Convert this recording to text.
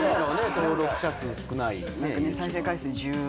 登録者数少ない。